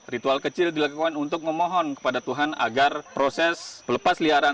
ritual kecil dilakukan untuk memohon kepada tuhan agar proses pelepas liaran